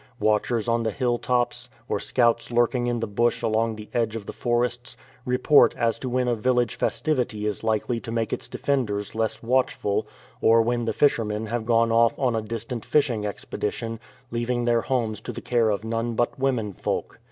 Watchers on the hill tops, or scouts lurking in the bush along the edge of the forests, report as to when a village festivity is likely to make its defenders less watchful, or when the fisher men have gone off on a distant fishing expedition, leaving their homes to the care of none but womenfolk.